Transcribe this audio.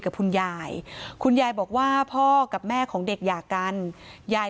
กับคุณยายคุณยายบอกว่าพ่อกับแม่ของเด็กอยากกันยาย